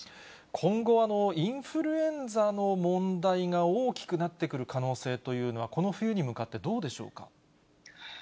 今後、インフルエンザの問題が大きくなってくる可能性というのは、この冬に向かってどうでしょうか。